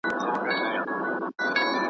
درباندي راسي دېوان په ډله .